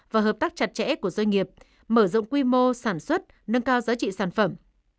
và hợp tác chặt chẽ của doanh nghiệp mở rộng quy mô sản xuất nâng cao giá trị sản phẩm